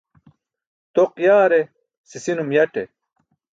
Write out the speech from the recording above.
Toq yare sisinum yaṭe